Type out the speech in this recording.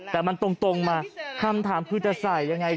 แต่มันตรงมาคำถามคือจะใส่ยังไง